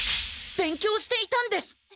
勉強していたんです！